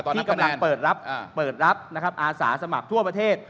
ที่กำลังเปิดรับอาสาสมัครทั่วประเทศ